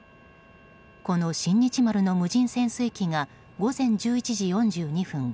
この「新日丸」の無人潜水機が午前１１時４２分